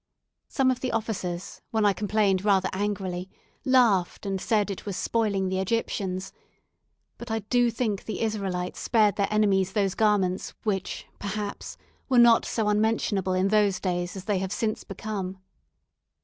Some of the officers, when I complained rather angrily, laughed, and said it was spoiling the Egyptians; but I do think the Israelites spared their enemies those garments, which, perhaps, were not so unmentionable in those days as they have since become.